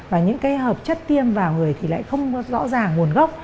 và những cái hợp chất tiêm vào người thì lại không rõ ràng nguồn gốc